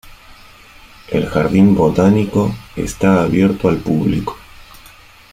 El jardín botánico está abierto al público.